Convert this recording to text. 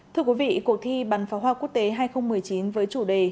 thưa quý vị cuộc thi bắn pháo hoa quốc tế hai nghìn một mươi chín với chủ đề